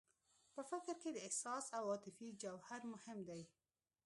په فکر کې د احساس او عاطفې جوهر مهم دی